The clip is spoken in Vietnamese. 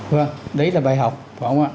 vâng đấy là bài học của ông ạ